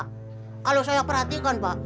kalau saya perhatikan pak